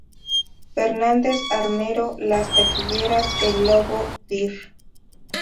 Fernández Armero, las taquilleras "El lobo" dir.